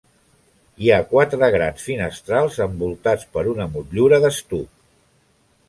Hi ha quatre grans finestrals envoltats per una motllura d'estuc.